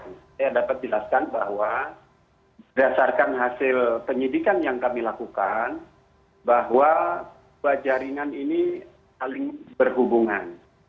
saya dapat jelaskan bahwa berdasarkan hasil penyidikan yang kami lakukan bahwa dua jaringan ini saling berhubungan